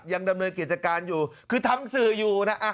ยังดำเนินกิจการอยู่คือทำสื่ออยู่นะ